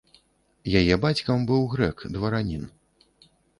Яе бацькам быў грэк, дваранін.